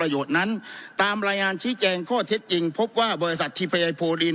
ประโยชน์นั้นตามรายงานชี้แจงข้อเท็จจริงพบว่าบริษัทที่พยายามโปรดิน